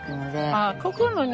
あここの庭